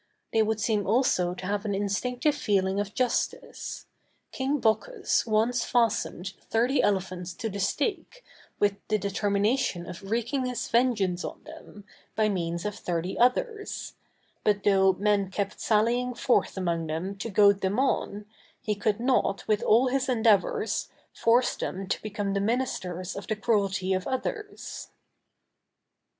They would seem also to have an instinctive feeling of justice. King Bocchus once fastened thirty elephants to the stake, with the determination of wreaking his vengeance on them, by means of thirty others; but though men kept sallying forth among them to goad them on, he could not, with all his endeavors, force them to become the ministers of the cruelty of others.